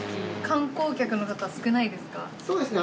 そうですね